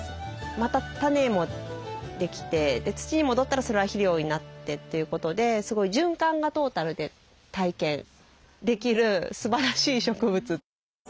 また種もできて土に戻ったらそれは肥料になってということで循環がトータルでできるすばらしい植物。